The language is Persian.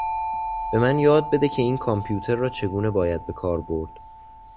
به من یاد بده که این کامپیوتر را چگونه باید به کار برد.